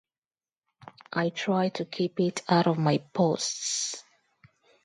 I try to keep it out of my posts.